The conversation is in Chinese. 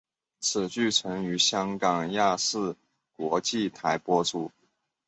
此剧曾于香港亚视国际台播出。